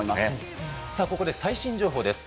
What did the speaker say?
ここで最新情報です。